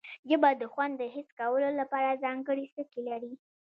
ژبه د خوند د حس کولو لپاره ځانګړي څکي لري